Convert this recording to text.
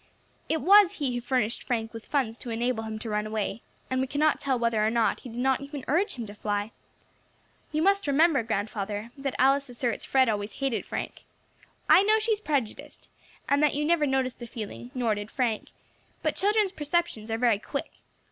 "It was he who furnished Frank with funds to enable him to run away, and we cannot tell whether or not he did not even urge him to fly. You must remember, grandfather, that Alice asserts Fred always hated Frank. I know she is prejudiced, and that you never noticed the feeling, nor did Frank; but children's perceptions are very quick.